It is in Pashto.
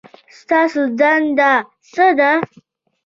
ستاسو دنده څه ده؟